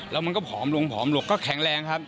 แล้วมันก็ผอมลงผอมลงก็แข็งแรงครับ